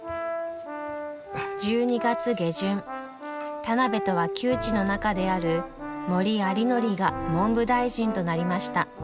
１２月下旬田邊とは旧知の仲である森有礼が文部大臣となりました。